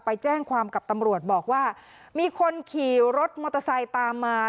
ไปแจ้งความกับตำรวจบอกว่ามีคนขี่รถมอเตอร์ไซค์ตามมา